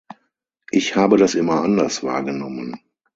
Ich habe das immer anders wahrgenommen.